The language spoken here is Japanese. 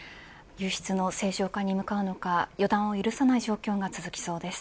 輸出の正常化に向かうのか予断を許さない状況が続きそうです。